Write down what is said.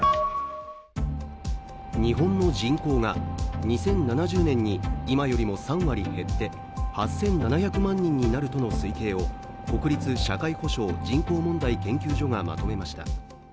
日本の人口が、２０７０年に今より３割減って８７００万人になるとの推計を国立社会保障・人口問題研究所がまとめました。